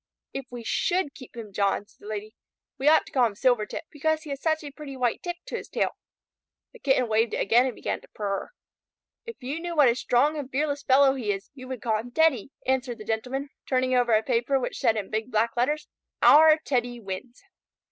"If we should keep him, John," said the Lady, "we ought to call him Silvertip, because he has such a pretty white tip to his tail." The Kitten waved it again and began to purr. "If you knew what a strong and fearless fellow he is, you would call him Teddy," answered the Gentleman, turning over a paper which said in big black letters, "Our Teddy Wins."